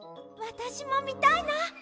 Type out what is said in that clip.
わたしもみたいな。